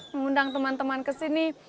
mengundang teman teman ke sini